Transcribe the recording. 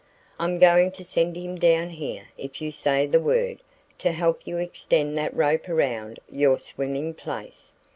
I'm going to send him down here, if you say the word, to help you extend that rope around your swimming place.